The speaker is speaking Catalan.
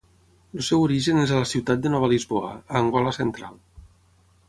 El seu origen és a la ciutat de Nova Lisboa, a Angola central.